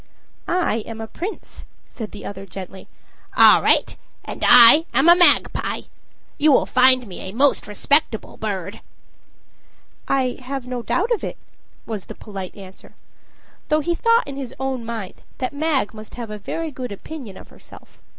"I am a prince," said the other gently. "All right. And I am a magpie. You will find me a most respectable bird." "I have no doubt of it," was the polite answer though he thought in his own mind that Mag must have a very good opinion of herself.